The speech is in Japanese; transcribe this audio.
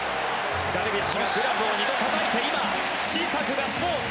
ダルビッシュはグラブを２度たたいて今、小さくガッツポーズ。